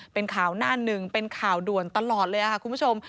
เป็นข่าวหน้าหนึ่งเป็นข่าวด่วนตลอดเลยค่ะคุณผู้ชม